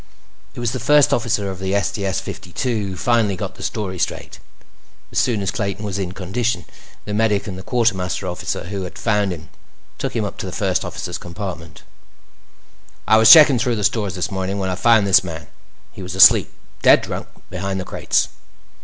It was the First Officer of the STS 52 who finally got the story straight. As soon as Clayton was in condition, the medic and the quartermaster officer who had found him took him up to the First Officer's compartment. "I was checking through the stores this morning when I found this man. He was asleep, dead drunk, behind the crates."